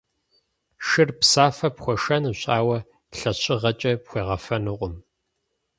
Шыр псафэ пхуэшэнущ, ауэ лъэщыгъэкӏэ пхуегъэфэнукъым.